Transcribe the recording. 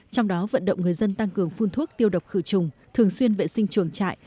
trong đó vận động người dân tăng cường phun thuốc tiêu độc khử trùng thường xuyên vệ sinh chuồng trại